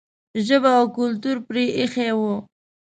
ژبه او کلتور پرې ایښی و.